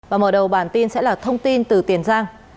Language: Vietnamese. và mở đầu bản tin sẽ là thông tin từ tiền giang